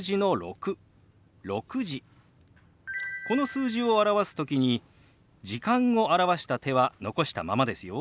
この数字を表す時に「時間」を表した手は残したままですよ。